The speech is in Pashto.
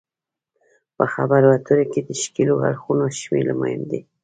په خبرو اترو کې د ښکیلو اړخونو شمیر مهم دی